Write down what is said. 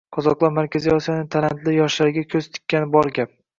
Qozoqlar Markaziy Osiyoning talantli yoshlariga koʻz tikkani bor gap.